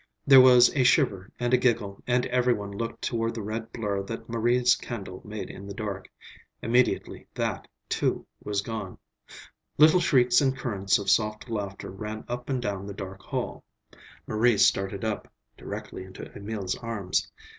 There was a shiver and a giggle, and every one looked toward the red blur that Marie's candle made in the dark. Immediately that, too, was gone. Little shrieks and currents of soft laughter ran up and down the dark hall. Marie started up,—directly into Emil's arms.